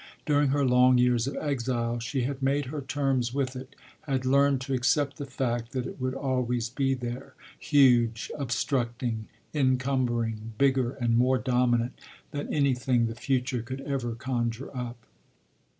During her long years of exile she had made her terms with it, had learned to accept the fact that it would always be there, huge, obstructing, encumbering, bigger and more dominant than anything the future could ever conjure up.